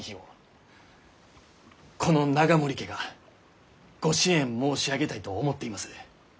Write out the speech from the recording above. この永守家がご支援申し上げたいと思っています。